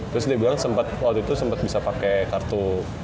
terus dia bilang sempet waktu itu sempet bisa pake kartu